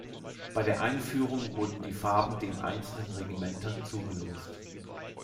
Bei der Einführung wurden die Farben den einzelnen Regimentern zugelost.